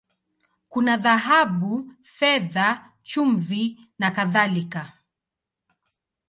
Kuna dhahabu, fedha, chumvi, na kadhalika.